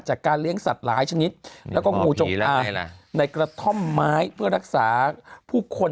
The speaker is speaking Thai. จากการเลี้ยงสัตว์หลายชนิดแล้วก็งูจงอางในกระท่อมไม้เพื่อรักษาผู้คน